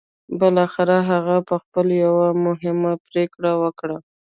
بالاخره هغه پخپله يوه مهمه پرېکړه وکړه.